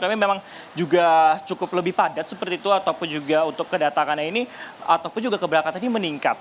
tapi memang juga cukup lebih padat seperti itu ataupun juga untuk kedatangannya ini ataupun juga keberangkatannya meningkat